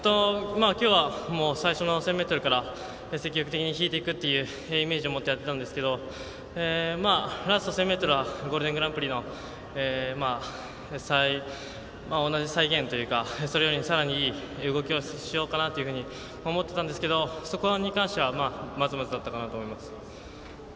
きょうは最初の１０００ｍから積極的に引いていくっていうイメージでやっていたんですけれどもラスト１０００ｍはゴールデングランプリの同じ再現というかそれよりもさらにいい動きをしようかなというふうに思っていたんですけどそこに関してはまずまずかなと思っています。